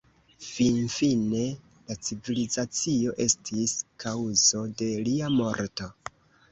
Finfine la civilizacio estis kaŭzo de lia morto.